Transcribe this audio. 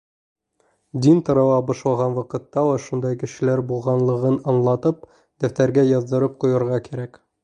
Дин тарала башлаған ваҡытта ла шундай кешеләр булғанлығын аңлатып, дәфтәргә яҙҙырып ҡуйырға кәрәк.